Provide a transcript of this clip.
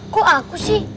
kok aku sih